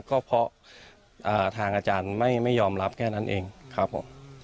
ก็เพราะทางอาจารย์ไม่ยอมรับแค่นั้นเองครับผม